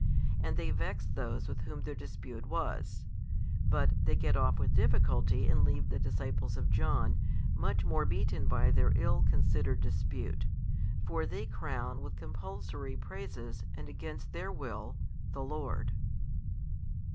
And they vex those with whom their dispute was: but they get off with difficulty and leave the disciples of John, much more beaten by their ill considered dispute. For they crown with compulsory praises, and against their will, the Lord.